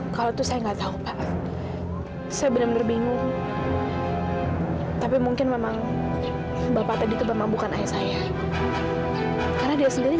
karena dia sendiri gak kenal siapa saya